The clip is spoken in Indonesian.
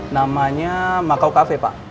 namanya makau cafe pak